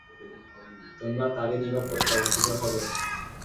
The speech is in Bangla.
তোমরা তারই নিকট প্রত্যাবর্তিত হবে।